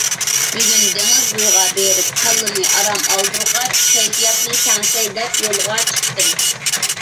بۈگۈن دېڭىز بويىغا بېرىپ كاللىنى ئارام ئالدۇرغاچ كەيپىياتنى تەڭشەي دەپ يولغا چىقتىم.